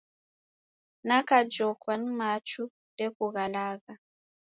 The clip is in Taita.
Nikajokwa ni machu ndekughalagha.